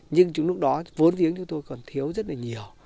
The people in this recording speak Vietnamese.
nhưng chúng lúc đó vốn riêng chúng tôi còn thiếu rất là nhiều